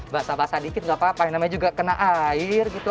basah basah dikit gak apa apa yang namanya juga kena air gitu